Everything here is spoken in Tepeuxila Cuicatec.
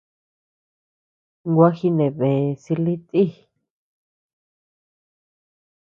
Gua jinebe silï ti.